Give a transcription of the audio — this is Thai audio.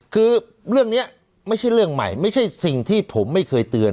คือเรื่องนี้ไม่ใช่เรื่องใหม่ไม่ใช่สิ่งที่ผมไม่เคยเตือน